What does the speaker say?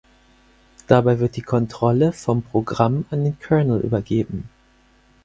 Dabei wird die Kontrolle vom Programm an den Kernel übergeben.